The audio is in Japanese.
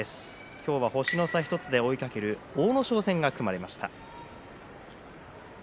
今日は星の差１つで追いかける阿武咲戦が組まれました。